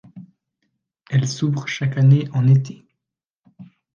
Elle s’ouvre chaque année en été.